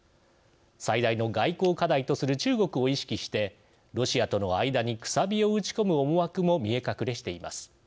最大の外交課題とする中国を意識してロシアとの間にくさびを打ち込む思わくも見え隠れしています。